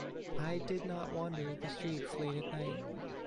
I did not wander the streets late at night.